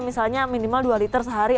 misalnya minimal dua liter sehari